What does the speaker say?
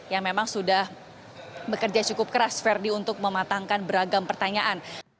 yang memang sudah bekerja cukup keras verdi untuk mematangkan beragam pertanyaan